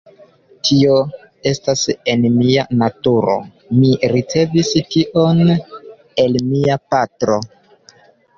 Tio estas en mia naturo, mi ricevis tion el mia patro.